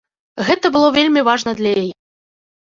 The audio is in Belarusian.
Гэта было вельмі важна для яе.